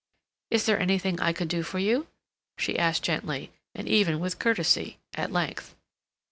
"Is there anything that I could do for you?" she asked gently, and even with courtesy, at length.